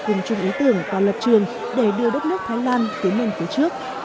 cùng chung ý tưởng và lập trường để đưa đất nước thái lan tiến lên phía trước